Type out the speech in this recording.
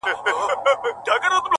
ووایه رویباره پیغامونو ته به څه وایو.!